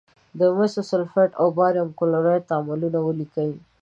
د مسو سلفیټ او باریم کلورایډ تعامل ولیکئ.